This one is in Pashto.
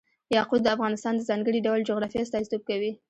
یاقوت د افغانستان د ځانګړي ډول جغرافیه استازیتوب کوي.